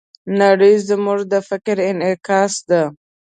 نړۍ زموږ د فکر انعکاس ده.